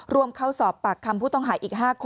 ร่วมเข้าสอบปากคำผู้ต้องหาอีก๕คน